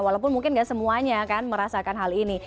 walaupun mungkin gak semuanya kan merasakan hal ini